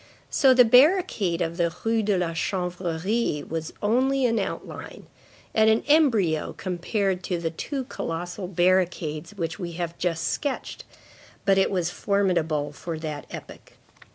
So the barricade of the Rue de la Chanvrerie was only an outline, and an embryo compared to the two colossal barricades which we have just sketched; but it was formidable for that epoch.